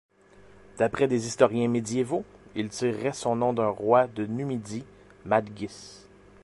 D'après des historiens médiévaux, il tirerait son nom d'un roi de Numidie, Madghis.